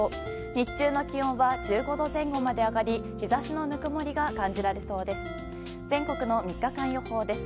日中の気温は１５度前後まで上がり日差しのぬくもりが感じられそうです。